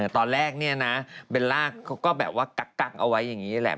ตอนแรกเนี่ยนะเบลล่าเขาก็แบบว่ากักเอาไว้อย่างนี้แหละ